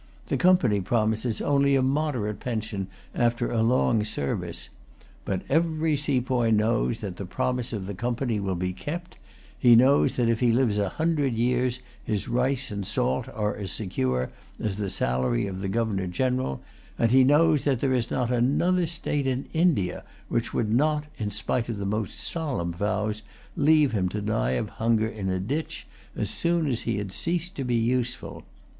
The Company promises only a moderate pension after a long service. But every sepoy knows that the promise of the Company will be kept; he knows that if he lives a hundred years his rice and salt are as secure as the salary of the Governor General; and he knows that there is not another state in India which would not, in spite of the most solemn vows, leave him to die of hunger in a ditch as soon as he had ceased to be useful.